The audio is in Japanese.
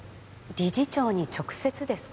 理事長に直接ですか？